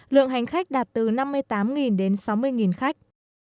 lượng hành khách đạt từ năm mươi tám đến sáu mươi khách